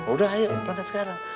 udah ayo perangkat sekarang